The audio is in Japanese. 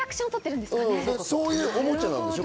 そういうおもちゃなんでしょ？